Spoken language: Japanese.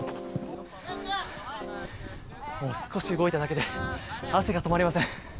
もう少し動いただけで汗が止まりません。